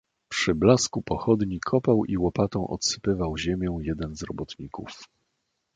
"Przy blasku pochodni kopał i łopatą odsypywał ziemią jeden z robotników."